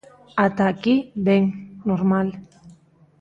Ata aquí, ben, normal.